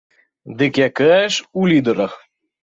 Дык якая ж у лідарах?